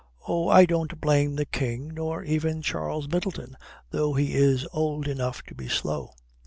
Oh, I don't blame the King nor even Charles Middleton, though he is old enough to be slow.